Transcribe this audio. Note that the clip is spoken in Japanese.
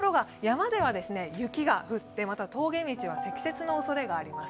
ところが山では雪が降って、また峠道は積雪のおそれがあります。